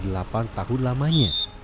selama delapan tahun lamanya